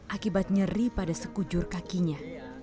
akibat nyeri pada sekujur kakinya